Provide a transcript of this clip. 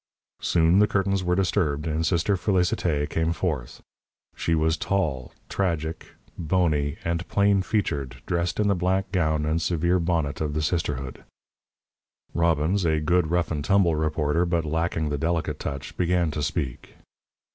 Soon the curtains were disturbed, and Sister Félicité came forth. She was tall, tragic, bony, and plain featured, dressed in the black gown and severe bonnet of the sisterhood. Robbins, a good rough and tumble reporter, but lacking the delicate touch, began to speak.